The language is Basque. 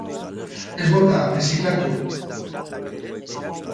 Ez bota, birziklatu!